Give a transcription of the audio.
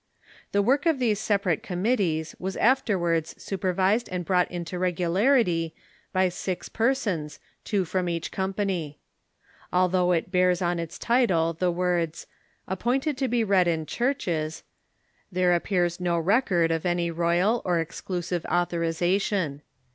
The work of these separate committees Avas afterwards supervised and brought into regularity by six persons, two from each company. Al though it bears on its title the words "Appointed to be read in Churches," there appears no record of any royal or exclusive authorization.